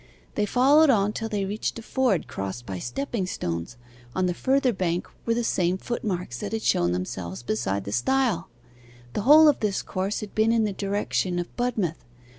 They followed on till they reached a ford crossed by stepping stones on the further bank were the same footmarks that had shown themselves beside the stile. The whole of this course had been in the direction of Budmouth.